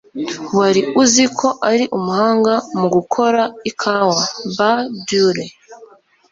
Wari uzi ko ari umuhanga mu gukora ikawa? (Bah_Dure)